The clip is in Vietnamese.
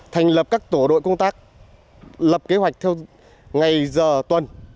thành lập các tổ đội công tác lập kế hoạch theo ngày giờ tuần